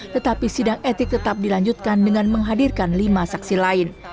tetapi sidang etik tetap dilanjutkan dengan menghadirkan lima saksi lain